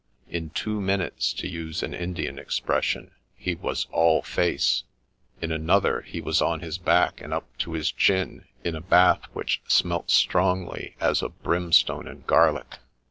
In two minutes, to use an Indian expression, ' he was all face 1 ' in another he was on his back, and up to his chin, in a bath which smelt strongly as of brimstone and garlic.